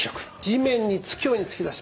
地面につくように突き出します。